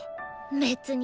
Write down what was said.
別に。